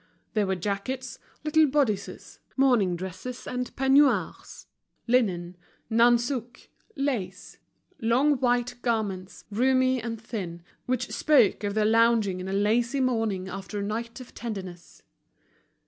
There were jackets, little bodices, morning dresses and peignoirs, linen, nansouck, lace, long white garments, roomy and thin, which spoke of the lounging in a lazy morning after a night of tenderness.